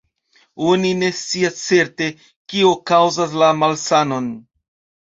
Oni ne scias certe, kio kaŭzas la malsanon.